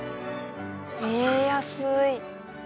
え安い。